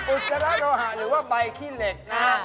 อุจจาระโลหะหรือว่าใบขี้เหล็กนะฮะ